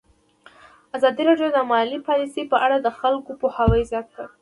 ازادي راډیو د مالي پالیسي په اړه د خلکو پوهاوی زیات کړی.